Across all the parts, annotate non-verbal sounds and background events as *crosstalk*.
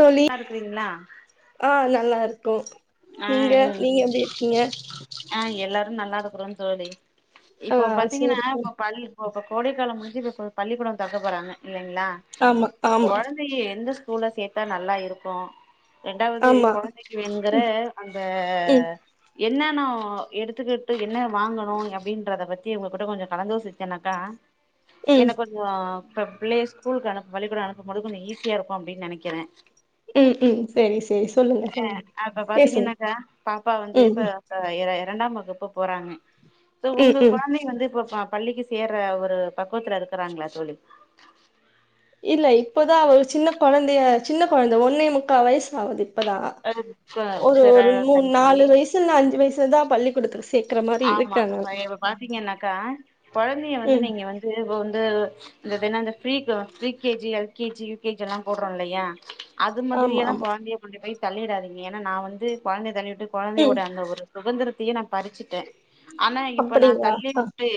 தோழி நல்லா இருக்கிறீங்களா ஆஹ் நல்லாருக்கோம் நீங்க நீங்க எப்டி இருக்கீங்க ஆஹ் எல்லாரும் நல்லா இருக்கறோம் தோழி ஆ இப்போ பாத்தீங்கன்னா சேரி தோழி இப்ப பள்ளி இப்போ போ கோடைக்காலம் முடுஞ்சு இப்ப பள்ளிக்கூடம் திறக்க போறாங்க இல்லைங்களா ஆமா இப்ப ஆமா குழந்தைய எந்த ஸ்கூல்ல சேக் தா நல்லா இருக்கும் ரெண்டாவது ஆமா குழந்தைக்கு வேணுங்கிற அந்த ம் என்ன *unintelligible* எடுத்துக்கிட்டு என்ன வாங்கணும் அப்டின்றத பத்தி உங்ககிட்ட கொஞ்சோ கலந்தோசிச்சேன்னாக்க ம் என்ன கொஞ்சோ இப்ப பிள்ளைய ஸ்கூலுக்கு அனுப்ப பள்ளிகூட அனுப்பும்போது கொஞ்ச ஈசியா இருக்கும் அப்டின்னு நெனைக்கறேன் ம் ம் சேரி சேரி சொல்லுங்க அஹ் சொல்லுங்க அப்ப பேசுங்க பாத்தீங்கன்னாக்கா பாப்பா வந்து ம் இப்ப ஆஹ் எ *unintelligible* இரண்டாம் வகுப்பு போறாங்க சோ ம் உங்க ம் குழந்தை வந்து இப்ப பா பள்ளிக்கு சேற்ற ஒரு பக்குவத்துல இருக்குறாங்களா தோழி இல்ல இப்போதான் அவ சின்ன கொழந்தைய சின்ன கொழந்த ஒன்னே முக்கா வயசு ஆவுது இப்பதான் அ க ஒரு சர ஒரு மூணு தனி நாலு தோழி வயசு இல்ல அஞ்சு வயசு *unintelligible* தா பள்ளி ஆமா அப்ப இப்ப பாத்தீங்கன்னாக்க குழந்தைய வந்து ம் நீங்க வந்து இப்ப வந்து இந்தது என்னாது ப்ரீக்கு free K G L K G U K G எல்லாம் போடுறோம் இல்லையா அது ஆமா மாதுரியல்லா ஆமா கொழந்தையை கொண்டு போய் தள்ளிடாதீங்க ஏன்னா நான் வந்து கொழந்தைய தள்ளி டு ம் கொழந்தையோட அந்த ஒரு உவந்தர தீய நான் பறிச்சிட்டே ஆனா இப்ப நா அப்டிங்களா தள்ளி ஆ உட்டு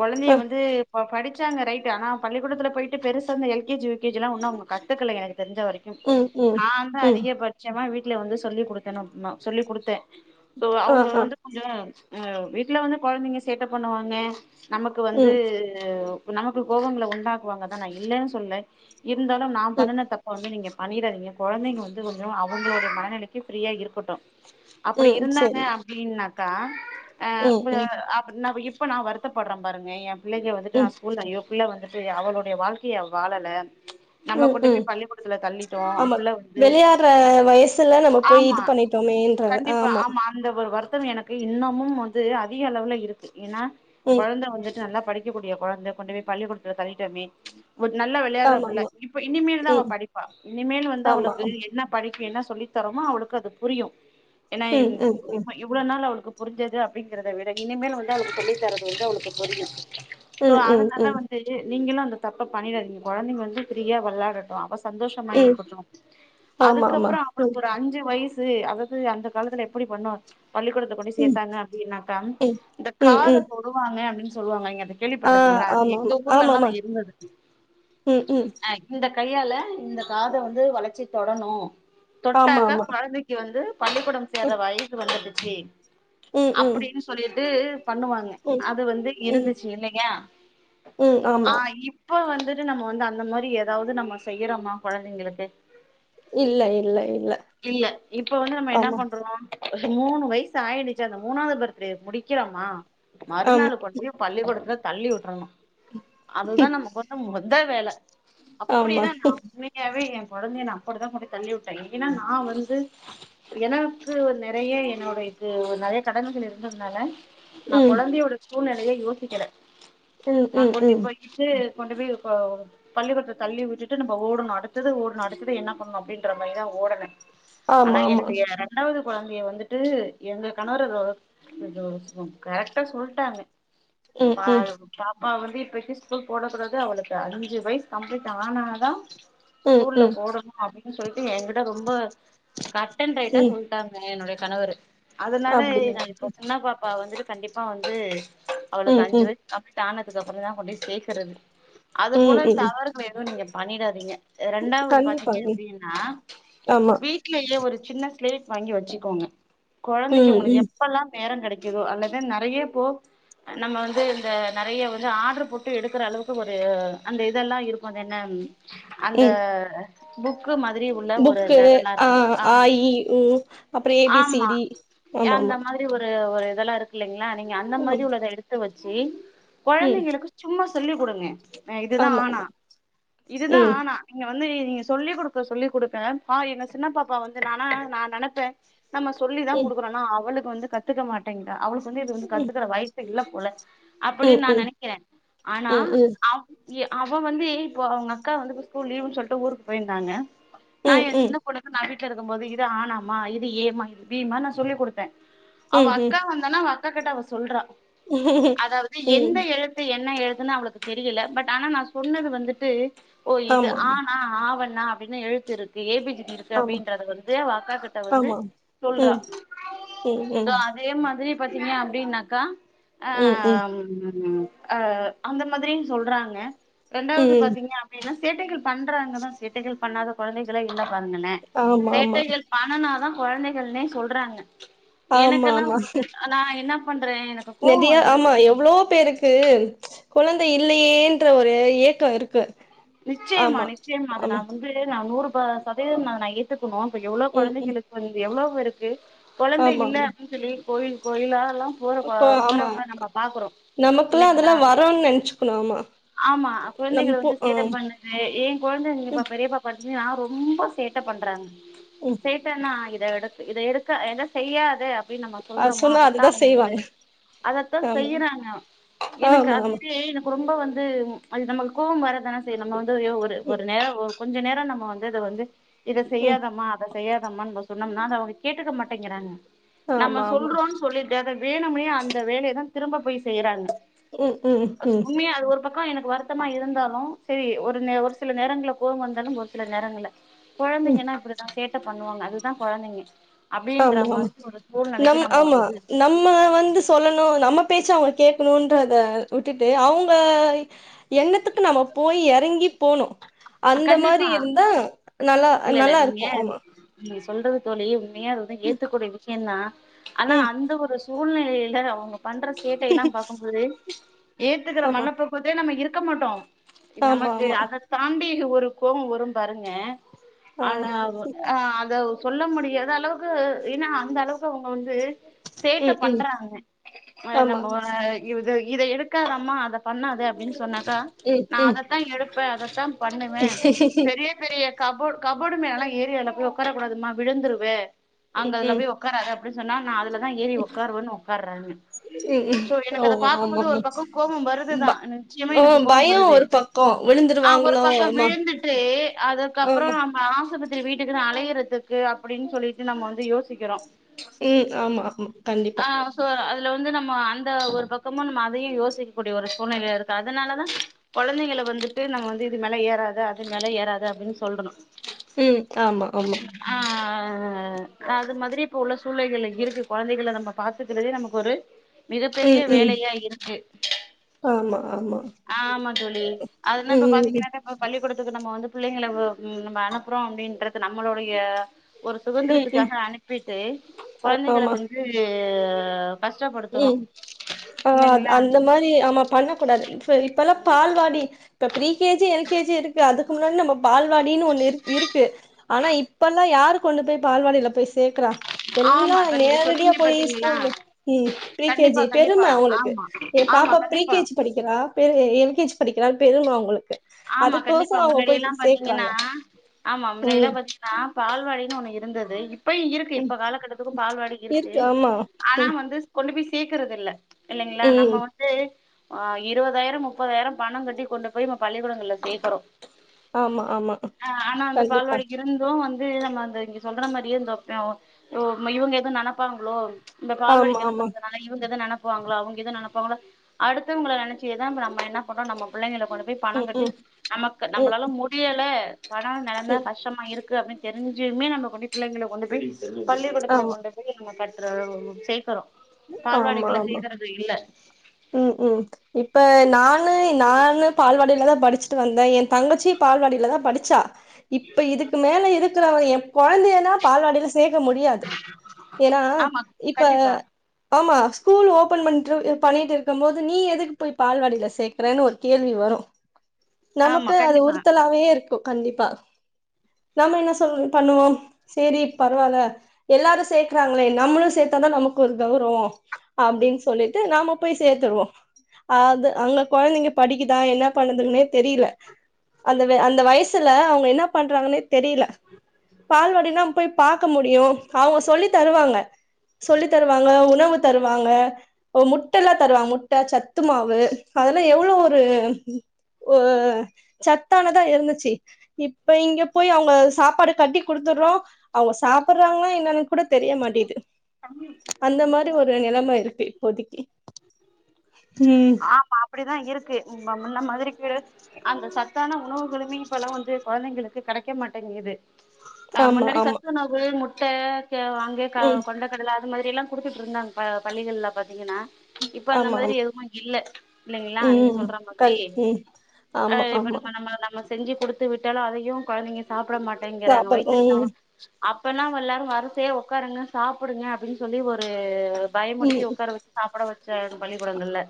கொழந்தைய ஆ வந்து அவ படுச்சாங்க ரைட்டு ஆனா பள்ளிக்கூடதுல போயிட்டு பெருசா அந்த L K G U K ஜில்லா ஒன்னு அவுங்க கத்துக்கல எனக்கு தெர்ஞ்ச வர்க்கும் ம் ம் நாந்து ம் அதிகபட்சமா வீட் க்ல வந்து சொல்லி குடுத்தனோ நா சொல்லி குடுத்தேன் சோ ஆ அவ்ங்க ஆ வந்து ம் வீட்ல வந்து கொழந்தைங்க சேட்ட பண்ணுவாங்கே நமக்கு வந்து ம் நமக்கு கோவங்ள உண்டாக்குவாங்கதா நா இல்லனு சொல்ல இருந்தாலு நா ம் பண்ணுன தப்ப வந்து நீங்க பண்ணிறாதீங்க கொழந்தைங்க வந்து கொஞ்சொம் அவுங்லோட மனநிலக்கி ஃப்ரீயா இருக்குட்டு அப்டி ம் இருந்தாங்க சேரி அப்டின்னாக் கா அ ம் ம் *unintelligible* ப்ப நா வருத்தப்பட்றன் பாருங்க எம் பிள்ளைக வந்துட்டு நா ம் ஸ்கூல்ல ஐயோ புல்ல வந்துட்டு அவளோடைய வாழ்க்கிய அவ வாலல நம்ம ம் கொண்டு ம் போய் பள்ளிக்கூடத்துல தள்ளிட்டோ ஆமா அப்புல்ல வந்து விளையாடுற வயசுல நம்ம போய் ஆமா இது பண்ணிட்டோமேன்றது கண்டிப்பா ஆமா அந்த ஒர் வர்த் *unintelligible* கு இன்னமும் வந்து அதிக அளவுல இருக்கு ஏன்னா ம் கொழந்த வந்து நல்லா படிக்கக்கூடிய கொழந்த கொண்டு போய் பள்ளிக்கூடத்துல தள்ளிட்டமே ஒரு நல்ல வெளையாட்ற ஆமா புள்ள ஆமா இப்ப இனிமேல் தா அவ ம் படிப்பா இனிமேல் வந்து ஆமா அவளுக்கு ஆமா என்னா படிப் என்னாக் சொல்லித் தரோமோ அவளுக்கு அது புரியும் ஏன்னா ம் இது ம் ம் *unintelligible* இவ்ளோ நாள் அவுளு கு புர்ஞ்சது அப்டிங்றத விட இனிமேல் வந்து அவ்ளுக்கு சொல்லி தர்றது வந்து அவ்ளுக்கு புரியும் சோ ம் ம் அதனால ம் வந்து நீங்களும் அந்த தப்ப பண்ணிறாதீங் கொழந்தைங் வந்து ஃப்ரியா வெள்ளாடட்டும் அவஸ் சந்தோஷமா ம் இருக்குட்டு ஆமா ஆமா அதுக்கப்ரொ ம் அவுங்குளுக் ஒரு அஞ்சு வைஸ் து அதது அந்த காலத்துல எப்படி பண்ணோ ச் பள்ளிக்கொடத் ம் ஜேத்தாங்க அப்டின்னாக்க ம் இந்த ம் காத ம் தொடுவாங்க அப்டின் சொல்வாங்க இங்கன் த ஆ கேள்விப்பட்டிருகீங்ளா ஆமா ஆமா எங்க ஆமா ஊர்லல்லா ஆமா இருந்தது ம் ம் அ இந்தக் கையால இந்த காத வந்து வளச்சி தொடணு ஆமா தொட்டாக்க ஆமா கொழந்தக்கி வந்து பள்ளிக்கூடம் சேர்ற வய்து வந்துட்டு ஏ ம் ம் அப்டினு சொல்லிரு ம் ம் பண்ணு வாங்க ம் அது வந்து ம் இருந்துச்சு இல்லையா ம் ஆ ஆமா இப் அப்ப வந்துட்டு நம்ம வந்து அந்த மாரி ஏதாவது நம்ம செய்யறோமா கொழந்தைங்களுக்கு இல்ல இல்ல இல்ல இல்ல இப்ப வந்து நம்ம என்ன ஆமா பண்றோ ஒரு மூணு வய்ஸ் சு ஆயிடுச்சு அந்த மூணாவது பர்த்டேவை முடிக்கிலாமா ஆமா மறுநாள் கொண்டு போயி பள்ளிக்கூடத்துல தள்ளி விட்டறணு அதுதா ம், நமக்கு வந்த மொத் அத வேல ஆமா அப்டிதா நா உண்மையாவே எ கொழந்தைய நா அப்படித்தா போய் தள்ளி உட்டே இல்லின்னா நா வந்து எனக்கு நெறைய என்னோடைய க்கு நறைய கடனுகள் இருந்ததுனால நா ம் கொழந்தையோட சூழ்நெல லயே யோசிக்கல ம் நா ம் கொண்டுட்டு ம் போய்கிட்டு கொண்டு போய் இப்போ பள்ளிக்கூடத்துல தள்ளி விட்டுட்டு நம்ம ஓடுனு அடுத்தது ஓடுனு அடுத்தது என்ன பண்ணு அப்டின்ற மாரிதா ஓடனு ஆமா ஆனா ஆமா என்னுடைய ரெண்டாவது கொழந்தைய வந்துட்டு எங்க கணவரோ ரோ *unintelligible* கரெக்டா சொல்லிட்டாங்க ம் ம் பாயு பாப் அ வந்து இப்பத்திக்கி ஸ்கூல் போடக் கூடாது அவளுக்கு அஞ்சு வய்ஸ் கம்ப்ளீட் ஆனாதா ம் ஸ்கூல்ல ம் போடணு அப்டின் சொல்ட்டு எங்கிட்ட ரொம்ப க ட்டன் ரைட்டா ம் சொல்லிட்டாங்க என்னோடைய கணவரு அதனால அப்டியா நா இப்ப சின்ன பாப் பாப்பா வந்துட்டு கண்டிப்பா வந்து அவளுக்கு ம் அஞ்சு ம் வயசு கம்ளீட் ஆனது அதுக்கப்புற தா கொண்டு போயி சேக்கறது அது ம் போல ம் தவறுகள ஏது நீங்க பண்ணிடாதீங்க ரெண்டாவது பாத்தீங்க கண்டிப்பாங்க அப்டின்னா ஆமா வீட்லயே ஒரு சின்ன ஸ்லேட் வாங்கி வச்சுக்கோங்க கொழந்தைக்கு ம் உங்களுக்கு ம் எப்பெல்லாம் நேரம் கெடைக் கிதோ அல்லது நெறைய போ நம்ம வந்து இந்த நெறைய வந்து ஆட்ரு போட்டு எடுக்குற அளவுக்கு ஒரு அந்த இதெல்லாம் இரு கு அது என்ன அந்த ம் புக் புக்கு ஆஹ் ஆ ஆம் இ உ அப்புறம் ஏ பி சி ஆமா டி ஆமா அந்த ஆமா மாரி ஒரு இந்த ஒரு இதெல்லாம் இருக்கு இல்லைங் ளா நீங்க அந்த ஆமா மாரி உள்ளத எடுத்து வச் சு ம் கொழந்தைங்களுக்கு சும்மா சொல்லி குடுங்க இதுதான் ஆமா ஆனா ஆமா இதுதான் ம் ஆனா நீங்க வந்து நீங்க சொல்லிக் குடுக்க சொல்லி குடுக்க பா எங்க சின்னப்பாப்பா வந்து நானா நான் நெனைப்பேன் நம்ம சொல்லி தான் ம் குடுக்குறோனா அவளுக் கு வந்து கத்துக்க மாட்டேங்கரா அவளுக் வந்து இது வந்து ம் கத்துக்கற வய சு இல்ல போல ம் அப்டின்னு நான் ம் நெனைக்கிறேன் ஆனா அ அவ வந்து இப்போ அவுங்க அக்கா வந்து ஸ்கூல் லீவுன்னு சொல்ட்டு ஊருக்கு போயிருந்தாங்க ம் ம் ம் நான் என் சின்ன ம் பொண்ணுக்கு நான் வீட் ல இருக்கும்போது இது ஆனாமா இது ஏமா இது பீமானு நா சொல்லி குடுத்தேன் அவ ம் அக்கா வந்தானா வ அக்கா கிட்ட அவ சொல்றா ம் அதாவது எந்த ம் எழுத்து எ என்ன எழுதுன்னு அவளுக்கு தெரியல பட் ஆனா நான் சொன்னது வந்துட்டு ஓ இது ஆமா ஆனா ஆவன் னா அப்டின்னு எழுத்து இருக்கு ஏ பி ஜி இருக்கு ஆமா அப்டின்றத வந்து அவ அக்காகிட்ட வந்து சொல்றா உம் உம் உம் ரி பாத்தீங்க அப்டின்னாக்கா ம் ம் ஆஹ் உம் அஹ் அந்த மாதிரின் சொல்றாங்க ரெண்டாவது ம் பாத்தீங்க அப்டின்னா சேட்டைகள் பண்றாங்க தான் சேட்டைகள் பண்ணாத கொழந்தைகளே இல்ல *unintelligible* ஆமா ஆமா சேட்டைகள் பண்ணனாதான் கொழந்தை னே சொல்றாங்க எனக்கெல்லாம் கொஞ்சம் ஆனா என்ன பண்றே எனக்கு கோவோ நெதியா வந்துருது ஆமா எவ்வளோ பேருக்கு கொழந்தை இல்லையேன்ற ஒரு ஏக்கம் இருக்கு நிச்சயமா ஆமா நிச்சயமா அத ஆமா நான் வந்து நான் நூறு ப சதவீதம் ந நான் ஏத்து ப்ப எவ்ளோ ம் ம் கொழந்தைங்களுக்கு வந்து எவ்வளோ இருக்கு கொழந்தை இல்ல அப்டின்னு சொல்லி கோயில் கோயிலா எல்லாம் இப்ப ஆமா நமக்லாம் இல்லைங்களா அதெல்லாம் வரோனு நனைச்சுக்கணும் ஆமா ஆமா நம்ஃபோ *unintelligible* பண்ணுது ஏன் கொழந்தைங்க பா பெரியப்பா பா நான் ரொம்ப சேட்டை பண்றாங்க ம் சேட்ட னா எடுத் இத எடுத்து ஆ இத செய்யாத ட்டி நம்ம அது சொல்றோமோ சொன்னா அதுதா அதத்தான் அவுங்க அது செய்வாங்க அதத்தான் ஆமா செய்யறாங்க எனக்கு ஆமா அது ஆமா வந்து எனக்கு ரொம்ப ரொம்ப வந்து அது நமக்கு கோவம் வர தானஜசெய்யனமோ யோ ஒரு ம் நேரம் ஒரு கொஞ்ச நேரம் நம்ம வந்து அத வந்து இத ம் செய்யாதம்மா அத செய்யாதமா சொன்னோம்னா அத அவுங்க கேட்டுக்க மாட்டேங்கிறாங்க நம்ம ஆமா ஆமா சொல்றோம் சொல்லிட்டு அத வேணும்னே அந்த வேலயை தான் திரும்ப போய் செய்யறாங்க ம் ம் ம் ம்ப எனக்கு வருத்தமா இருந்தாலும் சரி ஒரு நே ஒரு சில நேரங்கள்ல போகங்க வந்தாலும் ஒரு சில நேரங்கள்ல ம் கொழந்தைங்கானா அப்டிதான் கே ட்டை பண்ணுவாங்க அதுதான் கொழந்தைங்க அப்டின்ற ஆமா ஆமா மாதிரி ஒரு நம் சூழ்நிலைக்கு நம்ம ஆமா வந்து நம்ம வந்து சொல்லணும் நம்ம பேச்ச அவங்க கே க்கணும்ன்றத விட்டுட்டு அவங்க எண்ணத்துக்கு நம்ம போய் இறங்கி போனும் அந்த கண்டிப்பா மாதிரி இருந்தா நல்லா இல்ல இல்ல நல்லா நீங்க இருக்கும் ஆமா நீங்க சொல்றது தோழி ம் ஏ அது வந்து ஏத்துக்கூடிய விஷயம் தா ஆனா ம் அந்த ஒரு சூழ்நிலைல அவங்க பண்ற சேட்டைய எல்லா பார்க்கும்போது ஏத்துக்கிற ஆமா மண பக்கத்தே நம்ம இருக்க இருக்க மாட்டோம் ஆமா நமக்கு ஆமா அத தாண்டி ஒரு கோவம் வரும் பாருங்க ஆ ஆனா ஆ அத சொல்ல முடியாத அளவுக்கு ஏன்னா அந்த அளவுக்கு அவங்க வந்து சேட்ட ம் ம் பண்றாங்க ஆமா நம்ம இது இத எடுக்காராம்மா அத பண்ணாது அப்படின்னு சொன்னா தா ம் நா அதத்தா எடுப்பே அதத்தா பண்ணுவ ம் பெரிய பெரிய கபோ்ட் கபோ்டு மேல எல்லாம் ஏரியால போய் உட்காரக் கூடாதுமா விழுந்துருவே ம் அங்க அதுல ம் போய உக்காரத அப்படி சொன்னா நா அதுல ஏறி உக்கருவ உக்காருராங்கா ம் ம் சோ ஓ எனக்கு அத ஆமா பார்க்கும்போது ஒரு ஆமா பக்கம் கோபம் ப வருதுதா நிச்சயமா ஆ எனக்கு கோபம் பயோ வருது ஒரு பக்கோ ஆ ஒரு விழுந்துருவாங்களோ பக்க ஆமா விழுந்துட்டு அதுக்கப்புறம் ஆமா நம்ம அசுப த்திரி வீட்டுக்குன்னு அலையறதுக்கு அப்படின்னு சொல்லிட்டு நம்ம வந்து யோசிக்கிறோ உம் ஆமா ஆமா கண்டிப்பா இதுல வந்து நம்ம அந்த ஒரு பக்கமும் நம்ம அதையும் யோசிக்கக்கூடிய ஒரு சூநிலை இருக்கு அதனாலதா குழந்தைங்கல வந்துட்டு நம்ம வந்து இது மேல ஏறாத அது மேல ஏறாது அப்படின்னு சொல்லணு உம் ஆமா ஆமா ஆ அது மாதிரி இப்ப உள்ள சூழ்நிலைகள் இருக்கு குழந்தைகல நம்ம பாத்துக்கிறதே நமக்கு ஒரு மிகப்பெரிய ம் ம் வேலையா இருக்கு ஆமா ஆமா ஆ ஆமா தோழி அதல்லா இப்ப ம் ம் பாத்தீ பள்ளிக்கூடத்துக்கு நம்ம வந்து பிள்ளைங்கள நம்ம அனுப்புறோம் அப்படின்றது நம்மளோடைய ஒரு ம் ம் சுதந்திரத்துக்காக அனுப்பிட்டு குழந்தைகல வந்து ஆ உம் ஒ அந்த மாதிரி ஆமா பண்ணக்கூடாது சரி இப்ப எல்லாம் பால்வாடி இப்ப ப்ரீ கேஜி எல் கேஜி இருக்கு அதுக்கு முன்ன நம்ம பால்வாடினு ஒன்னு இரு இருக்கு ஆனா இப்பல்லாம் யாருக் கொண்டு போய் பால்வாடில போய் சேக்குறா ஆமா எல்லா இப்ப நீங்க நேரடியா சொன்னீங்க போயி பாத்தீங்களா ஸ்கூல்ல *unintelligible* ப்ரீ கே கண்டிப்பா ஜி பெரும கண்டிப்பா அவுங்களுக்கு ஆமா ஏ ஆமா பாப்பா ப்ரீ கண்டிப்பா கே ஜி படிக்கிறா பெ எ ப்ரீ கே ஜி படிக்கிறானு பெரும அவுங்களுக் ஆமா கண்டிப்பா முன்னாடி எல்லாம் பாத்திங்கன்னா ஆமா முன்னாடி ம் எல்லாம் பாத்திங்கன்னா பால்வாடின்னு ஒண்ணு இருந்தது து இப் இப்பயும் இருக்கு ம் இப்ப காலக்கட்டத்துக்கும் பால்வாடி இருக்கு ஆமா ஆனா ம் வந்து கொண்டு போய் சேக்குறதில்ல இல்லைங்களா நம்ம ம் வந்து ஆன் இருவதாயிரம் முப்பதாயிரம் பணம் கட்டி கொண்டு போய் பள்ளிக்கூடங்கள்ல சேக்கறோம் ஆமா ஆமா கண்டிப்பா து நம்ம அந்த இங்க சொல்ற மாரியே இந்த *unintelligible* ஒ இவுங்க எதுவும் நெனைப்பாங்களோ ச் இந்த பால்வாடி ஆமா ஆமா கினத்திரந்துனால இவுங்க எது நெனப் பாங்ளோ அவுங்க எதும் நெனப்பாங்களோ அடுத்தவங்கள நெனைச்சேதா இப்ப நம்ம என்ன பண்றோம் நம்ம பிள்ளைங்கள கொண்டு பணம் ம் கட்டி ம் நமக்கு ம் நம்மபளால முடியல பணம் நெலம ம் கஷ்டமா இருக் கு அப்டின்னு தெரிஞ்சுமே நம்ம கொண்டு போய் பிள்ளைகள கொண்டு போய் பள்ளிக்கூடத்தல ஆமா கொண்டு போய் நம்ம கட் த உஉ சேக்கறோம் ஆமா ஆமா உம் உம் இப்ப நானு நானு பால்வாடி லதா படூச்சிட்டு வந்தேன் என் தங்கச்சி பால்வாடியில தான் படுச்சா இப்ப இதுக்கு மேல எதுக் *unintelligible* கொழந்தையன்னா பால்வாடில சேக்க முடியாது ஏன்னா ஆமா இப்ப கண்டிப்பா ஆமா ஸ்கூல் ஓபன் பண்ட்டுவு பண்ணிட்டு இருக்கும் போது நீ எதுக் போய் பால்வாடில சேக்கறேன்னு ஒரு கேள்வி வரும் ஆமா நமக்கு அது கண்டிப்பா உறுத்தலாவே இருக் கு கண்டிப்பா நம்ம என்ன சொல்லு பண்ணுவோம் சேரி பரவால எல்லாரும் சேக்கறாங்களே நம்மளும் சேத்தாதான் நமக்கு ஒரு கௌரவம் அப்டின் சொல்லிட்டு நாம போய் சேத்துருவோம் அது அங்க கொழந்தைங்க படிக்குதா என்ன பண்ணுதுங்னே தெரில அந்த வே அந்த வயசுல அவு இப்ப என்ன பண்றாங்கன்னே தெரில பால்வடிலாம் போய் பாக்க முடியும் அவுங்க சொல்லி தருவாங்க சொல்லி தர உணவு தருவாங்க முட்டலா தருவாங்க முட்ட ச த்துமாவு அதெலா எவ்ளோ ஒரு உ சத்தானதா இருந்துச்சு இப்ப இங்க போய் அவங்க சாப்பாடு கட்டி குடுத்துட்றோ அவங்க சாப்புட்றாங்களா என்னன்னு கூட தெரிய மாட்டேது *unintelligible* அந்த மாரி ஒரு *unintelligible* இருக் இப்போதிக்கு ஆமா அப்டிதா இருக்கு இப்ப முன்ன மாதிரி கிழ அந்த சத்தான உணவுகளுமே இப்பெல்லா வந்து கொழந்தைங்களுக்கு கெடைக்க மாட்டேங்குது ஆ ஆமா முன்னாடி ஆமா சத்துணவு முட்ட கே அங்கே க ம் கொண்ட கடல அது மாரிலா குடுக்க *unintelligible* பள்ளிகள்ல பாத்தீங்கனா ஆமா ஆமா ஆமா இல்ல இல்லைங்களா நீங்க ம் சொல்ற மாதிரி கண் ம் ஆ ஆமா இப்ப ஆமா நம்ம நம்ம நம்ல செஞ்சு குடுத்து விட்டாலு அதையு கொழந்தைங்க சாப் ட்டு சாப்ட மாட்டேங்கிறாங்க சாப்பற வயித்த ம் *unintelligible* அப்பல்லா எல்லாரு வருசையா உக்காருங்க சாப்டுங்க அப்டின் சொல்லி ஒரு பயமுடித்து ம் உக்கார வச்சு சாப்ட வச்ச பள்ளிக்கூடங்கள்ல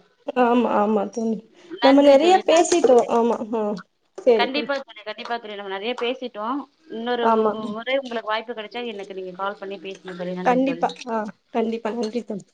ஆமா ஆமா தோழி நம்ம நன்றி நறைய தோழி நன்றி பேசிட்டோ தோழி ஆமா ஆ செரி பா தோழி நம்ம நறையா பேசிட்டோ இன்னொரு ஆமா முறை உங்களுக்கு வாய்ப்பு கெடச்சா எனக்கு நீங்க கால் பண்ணி பேச கண்டிப்பா ஆ கண்டிப்பா நன்றி தோழி